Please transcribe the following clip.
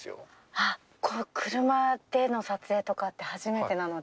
あっ、車での撮影とかって、初めてなので。